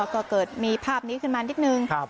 ก็เกิดมีภาพนี้ขึ้นมานิดนึง